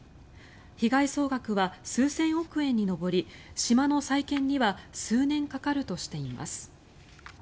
被害総額は数千億円に上り島の再建には数年かかるとしています。